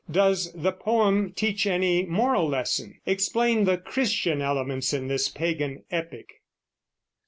Does the poem teach any moral lesson? Explain the Christian elements in this pagan epic.